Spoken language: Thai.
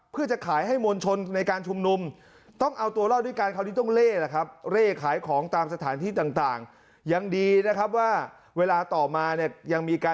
เพราะค้าไม่ค้าแย่เลยฮะ